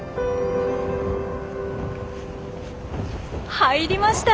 入りました！